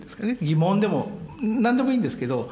疑問でも何でもいいんですけど。